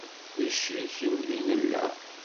D icriken i nella.